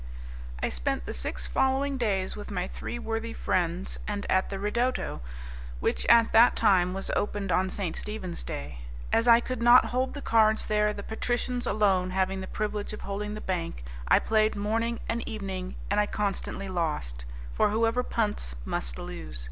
I spent the six following days with my three worthy friends, and at the 'ridotto', which at that time was opened on St. Stephen's Day. As I could not hold the cards there, the patricians alone having the privilege of holding the bank, I played morning and evening, and I constantly lost; for whoever punts must lose.